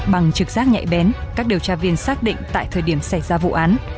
bằng trực giác nhạy bén các điều tra viên xác định tại thời điểm xảy ra vụ án